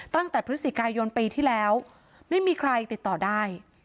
ตั้งแต่พฤศจิกายนปีที่แล้วไม่มีใครติดต่อได้